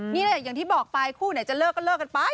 อย่างที่บอกไปคู่ไหนจะเลิกก็เลิกกันไป